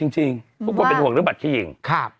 จริงทุกคนเป็นห่วงเรื่องบัตรที่ยิง